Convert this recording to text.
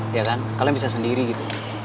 ya kan kalian bisa sendiri gitu